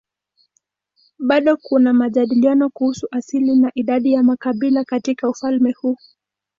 Bado kuna majadiliano kuhusu asili na idadi ya makabila katika ufalme huu.